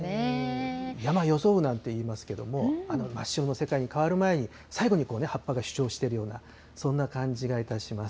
山装うなんていいますけれども、真っ白な世界に変わる前に、最後に葉っぱが主張しているような、そんな感じがしています。